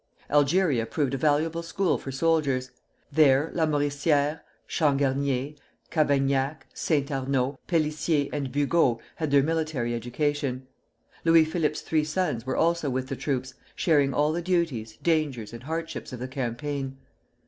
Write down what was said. Algeria proved a valuable school for soldiers; there Lamoricière, Changarnier, Cavaignac, Saint Arnaud, Pélissier, and Bugeaud had their military education. Louis Philippe's three sons were also with the troops, sharing all the duties, dangers, and hardships of the campaign.